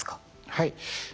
はい。